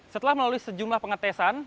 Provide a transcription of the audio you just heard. setelah melalui sejumlah pengetesan